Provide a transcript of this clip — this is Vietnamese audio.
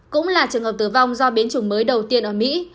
cũng là trường hợp tử vong do biến chủng mới đầu tiên ở mỹ